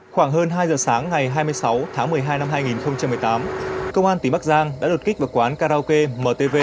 khoảng hơn hai giờ sáng ngày hai mươi sáu tháng một mươi hai năm hai nghìn một mươi tám công an tỉnh bắc giang đã đột kích vào quán karaoke mtv